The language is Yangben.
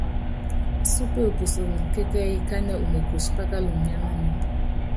Súpe u puso ni kɛ́kɛ́yí kánɛ umekuci pákaluŋɔ nyánanɛ́.